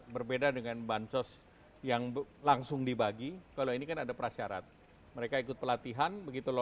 berbeda dengan bansos yang langsung dibagi kalau ini kan ada prasyarat mereka ikut pelatihan begitu